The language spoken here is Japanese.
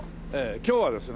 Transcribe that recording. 今日はですね